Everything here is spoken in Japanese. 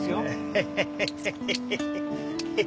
ヘヘヘヘヘヘ。